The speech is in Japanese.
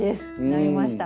なりました。